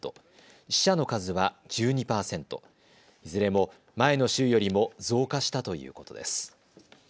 死者の数は１２％、いずれも前の週よりも増加したということです。